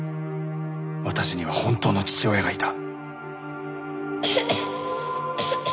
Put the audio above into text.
私には本当の父親がいた。